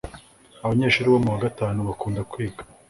abanyeshuri bo muwa gatanu bakunda kwiga